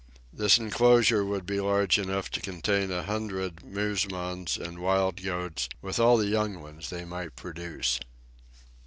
This enclosure would be large enough to contain a hundred musmons and wild goats, with all the young ones they might produce.